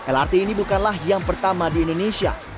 lrt ini bukanlah yang pertama di indonesia